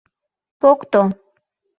— Покто!